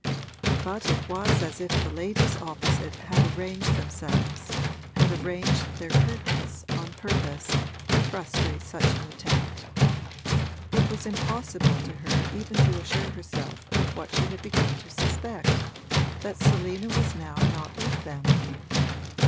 But it was as if the ladies opposite had arranged themselves, had arranged their curtains, on purpose to frustrate such an attempt: it was impossible to her even to assure herself of what she had begun to suspect, that Selina was now not with them.